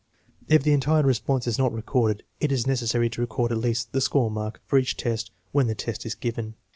If the entire response is not recorded it is necessary to record at least the score mark for each test when the test is given.